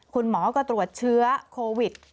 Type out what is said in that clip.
คุณหมอก็ตรวจเชื้อโควิด